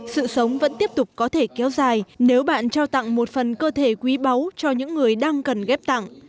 sự sống vẫn tiếp tục có thể kéo dài nếu bạn trao tặng một phần cơ thể quý báu cho những người đang cần ghép tặng